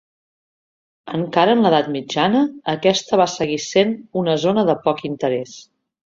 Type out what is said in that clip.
Encara en l'edat mitjana, aquesta va seguir sent una zona de poc interès.